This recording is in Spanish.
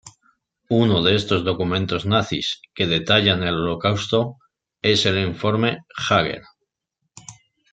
Uno de estos documentos nazis que detallan el Holocausto, es el "Informe Jäger".